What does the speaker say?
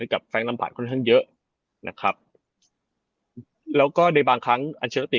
กับแฟนลำบากค่อนข้างเยอะนะครับแล้วก็ในบางครั้งอัลเชอร์ติ